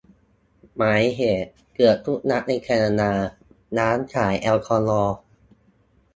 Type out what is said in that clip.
หมายเหตุ : เกือบทุกรัฐในแคนาดา ร้านขายแอลกอฮอล์